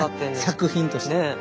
作品として。